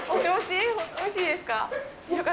おいしいですか？